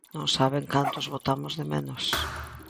Non saben canto os botamos de menos.